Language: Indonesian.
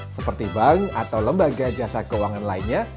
seperti bank atau lembaga jasa keuangan lainnya